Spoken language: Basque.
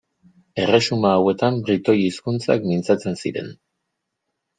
Erresuma hauetan britoi hizkuntzak mintzatzen ziren.